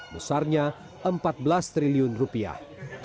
besarnya empat belas triliun rupiah